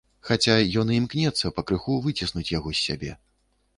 Хаця ён і імкнецца пакрыху выціснуць яго з сябе.